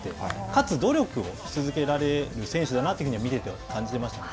かつ努力をし続けられる選手だなと見てて感じてました。